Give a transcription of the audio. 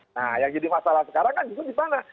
nah yang jadi masalah sekarang kan itu gimana